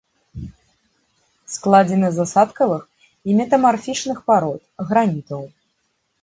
Складзены з асадкавых і метамарфічных парод, гранітаў.